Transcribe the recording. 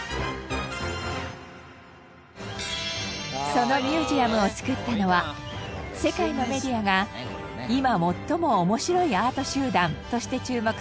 そのミュージアムを作ったのは世界のメディアが今最も面白いアート集団として注目する日本人。